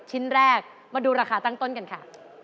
ชิ้นแรกมาดูราคาตั้งต้นกันค่ะ